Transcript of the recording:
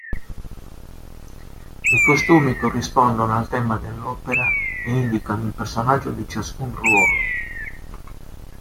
I costumi corrispondono al tema dell'opera e indicano il personaggio di ciascun ruolo.